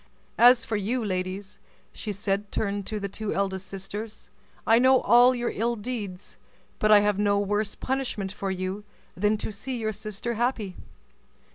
As for you, ladies," and she turned to the two elder sisters, "I know all your ill deeds, but I have no worse punishment for you than to see your sister happy.